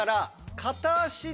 片足で。